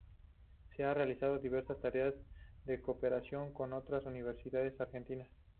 Se han realizado diversas tareas de cooperación con otras universidades argentinas.